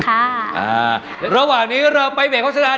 อ่าระหว่างนี้เราไปเวทข้อสนาน